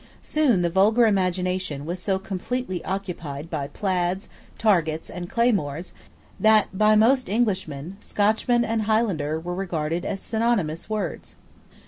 Soon the vulgar imagination was so completely occupied by plaids, targets, and claymores, that, by most Englishmen, Scotchman and Highlander were regarded as synonymous words.